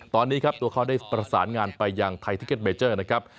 ตอนนี้ครับตัวเขาได้ประสานงานไปยังไทยทิเก็ตเมเจอร์นะครับ